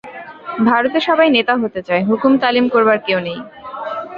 ভারতে সবাই নেতা হতে চায়, হুকুম তালিম করবার কেউ নেই।